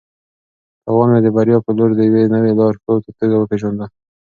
تاوان مې د بریا په لور د یوې نوې لارښود په توګه وپېژانده.